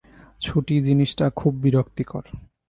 ছুটি জিনিসটা খুব বিরক্তিকর।